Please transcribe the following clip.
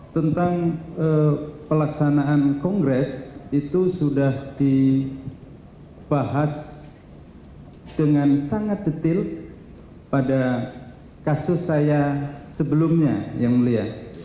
tentang pelaksanaan kongres itu sudah dibahas dengan sangat detail pada kasus saya sebelumnya yang mulia